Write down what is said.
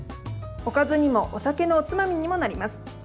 おかずにもお酒のおつまみにもなります。